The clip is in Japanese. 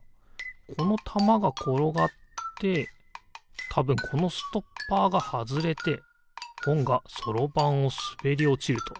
このたまがころがってたぶんこのストッパーがはずれてほんがそろばんをすべりおちると。